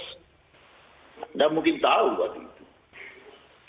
anda mungkin tahu waktu itu